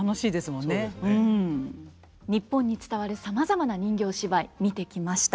日本に伝わるさまざまな人形芝居見てきました。